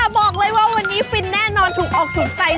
บอกเลยว่าวันนี้ฟินแน่นอนถูกออกถูกใจ